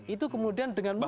itu kemudian dengan mudah